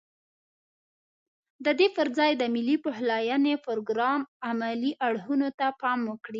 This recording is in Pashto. ددې پرځای د ملي پخلاينې پروګرام عملي اړخونو ته پام وکړي.